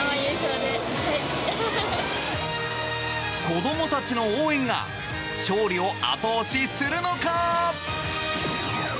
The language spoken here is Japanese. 子供たちの応援が勝利を後押しするのか？